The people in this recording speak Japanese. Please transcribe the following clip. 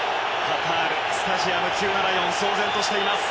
カタール、スタジアム９７４騒然としています。